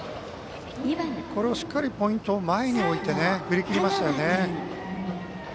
これをしっかりポイントを前に置いて振り切りましたね。